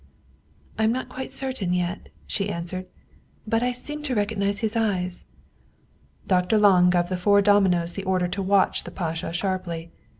I am not quite certain yet," she answered. " But I seem to recognize his eyes." Dr. Lange gave the four dominos the order to watch the pasha sharply.